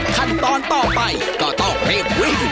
ขั้นตอนต่อไปก็ต้องรีบวิ่ง